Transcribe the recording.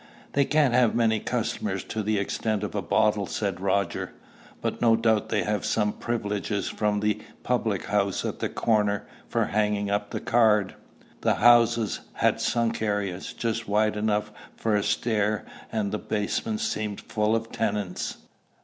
"They can't have many customers to the extent of a bottle," said Roger. "But no doubt they have some privileges from the public house at the corner for hanging up the card." The houses had sunk areas, just wide enough for a stair, and the basements seemed full of tenants.